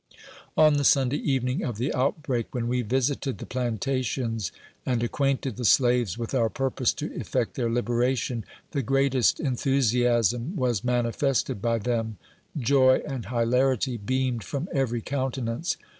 On the Sunday evening of the outbreak T when we visited the plantations and acquainted the slaves with our purpose to effect their liberation, the greatest enthusiasm was manifested by them — joy and hilarity beamed from every countenance.